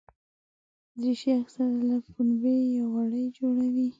دریشي اکثره له پنبې یا وړۍ جوړه وي.